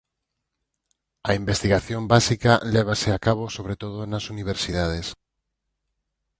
A investigación básica lévase a cabo sobre todo nas universidades.